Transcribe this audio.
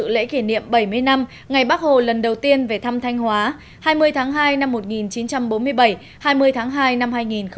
lễ kỷ niệm bảy mươi năm ngày bắc hồ lần đầu tiên về thăm thanh hóa hai mươi tháng hai năm một nghìn chín trăm bốn mươi bảy hai mươi tháng hai năm hai nghìn một mươi chín